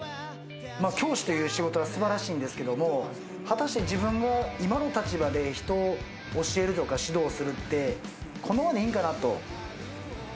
教師という仕事は素晴らしいんですけど、果たして自分が今の立場で人を教えるとか指導するって、このままでいいのかなと。